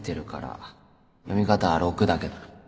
読み方はロクだけどな